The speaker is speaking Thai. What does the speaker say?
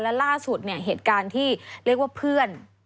และล่าสุดเนี่ยเหตุการณ์ที่เรียกว่าเพื่อน